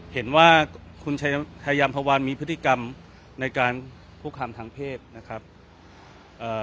เห็นว่าคุณชายชายามพวานมีพฤติกรรมในการคุกคามทางเพศนะครับเอ่อ